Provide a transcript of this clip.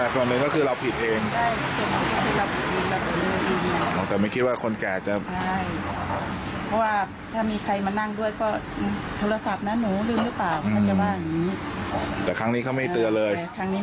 จุดตั้งใจจะเอาเลย